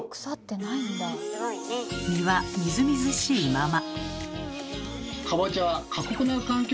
実はみずみずしいまま。